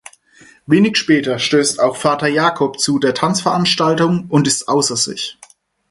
Wenig später stößt auch Vater Jakob zu der Tanzveranstaltung und ist außer sich.